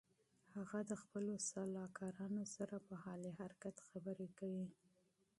هغه د خپلو سلاکارانو سره په حال حرکت خبرې کوي.